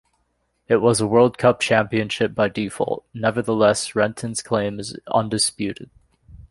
It was a World Cup Championship by default - nevertheless Renton's claim is undisputed.